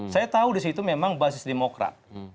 saya tahu di situ memang basis demokrat